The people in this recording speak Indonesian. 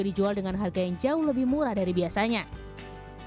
dijual dengan harga yang jauh lebih murah dari biasanya di bekasi jawa bangladesh dan pembolaan